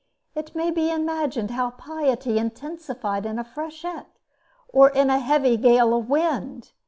It may be imagined how piety intensifies in a freshet, or in a heavy gale of wind!